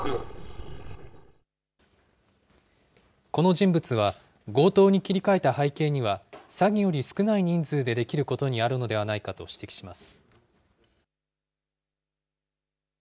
この人物は、強盗に切り替えた背景には、詐欺より少ない人数でできることにあるのではないかと指摘します。